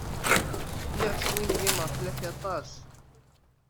Lliɣ swingimeɣ fell-ak aṭas.